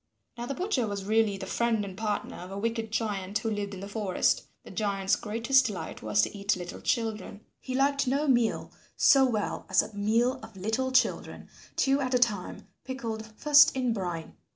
Now the butcher was really the friend and partner of a wicked giant who lived in the forest. The giant's greatest delight was to eat little children. He liked no meal so well as a meal of little children, two at a time, pickled first in brine.